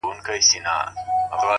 • نه یې وکړل د آرامي شپې خوبونه,